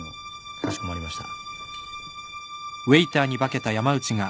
かしこまりました。